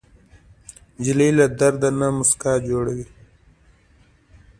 نجلۍ له درد نه موسکا جوړوي.